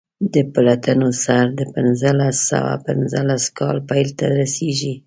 د پلټنو سر د پنځلس سوه پنځلس کال پیل ته رسیږي.